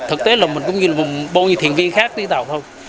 thực tế là mình cũng như là một bộ nhiều thiền viên khác đi tàu thôi